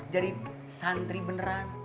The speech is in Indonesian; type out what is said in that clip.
jadi santri beneran